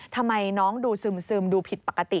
ทำไมน้องดูซึมดูผิดปกติ